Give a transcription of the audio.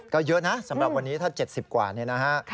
ก็เยอะนะสำหรับวันนี้ถ้า๗๐กว่าเนี่ยนะฮะ